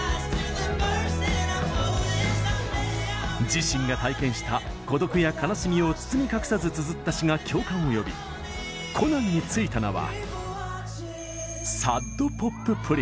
自身が体験した孤独や悲しみを包み隠さずつづった詞が共感を呼びコナンについた名は。